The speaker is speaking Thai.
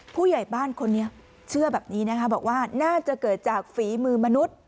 ผู้ใหญ่บ้านคนนี้เชื่อแบบนี้นะคะบอกว่าน่าจะเกิดจากฝีมือมนุษย์